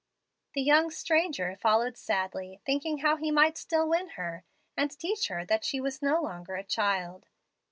"The young stranger followed sadly, thinking how he might still win her, and teach her that she was no longer a child.